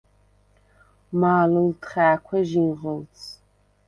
მა̄ლჷლდდ ხა̄̈ქუ̂ ჟინღჷლდს: